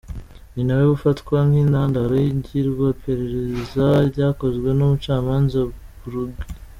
Ni nawe ufatwa nk’intandaro y’ingirwa perereza ryakozwe n’umucamanza Bruguière.